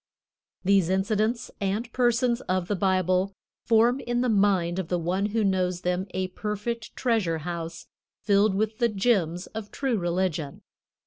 These incidents and persons of the Bible form in the mind of the one who knows them a perfect treasure house filled with the gems of true religion.